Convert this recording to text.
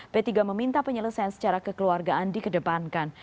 p tiga meminta penyelesaian secara kekeluargaan dikedepankan